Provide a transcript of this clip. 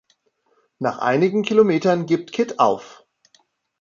Nach einigen Kilometern gibt Kit auf.